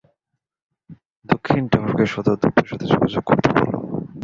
দক্ষিণ টাওয়ারকে সদর দপ্তরের সাথে যোগাযোগ করতে বল!